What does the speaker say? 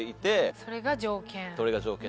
それが条件？